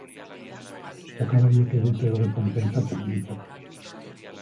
Jokalariek ez dute horretan pentsatzen, behintzat.